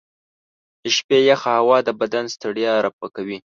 د شپې یخه هوا د بدن ستړیا رفع کوي.